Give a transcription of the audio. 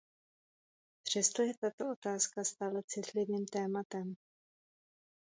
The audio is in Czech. Přesto je tato otázka stále citlivým tématem.